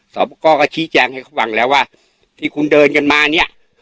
สอบประกอบก็ชี้แจงให้เขาฟังแล้วว่าที่คุณเดินกันมาเนี่ย